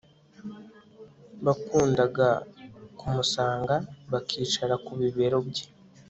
Bakundaga kumusanga bakicara ku bibero bye